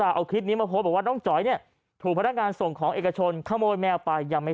เอาคลิปนี้มาโพสต์บอกว่าน้องจ๋อยเนี่ยถูกพนักงานส่งของเอกชนขโมยแมวไปยังไม่